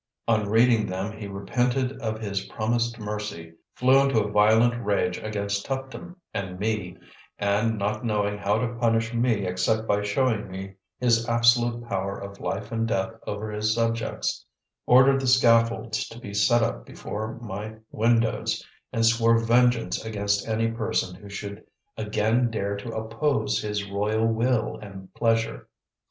On reading them he repented of his promised mercy, flew into a violent rage against Tuptim and me, and, not knowing how to punish me except by showing me his absolute power of life and death over his subjects, ordered the scaffolds to be set up before my windows, and swore vengeance against any person who should again dare to oppose his royal will and pleasure.